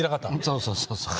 そうそうそうそう。